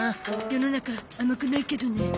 世の中甘くないけどね。